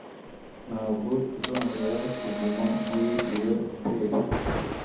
Ntabwo tuzongera kuguma muri iyo hoteri